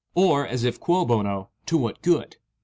or, (as if quo bono,) "to what good."